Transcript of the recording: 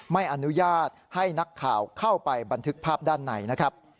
ไม่อนุญาตให้นักข่าวเข้าไปบันทึกภาพด้านในนะครับ